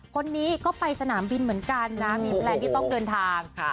เขาไปสนามบินเหมือนกันเมืองที่ต้องเดินทาง